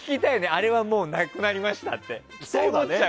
あれはもうなくなりましたって。